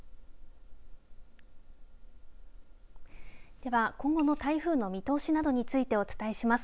では今後の台風の見通しなどについてお伝えします。